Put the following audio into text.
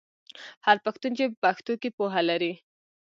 هر پښتون چې په پښتو کې پوهه لري.